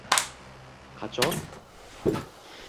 Qachon?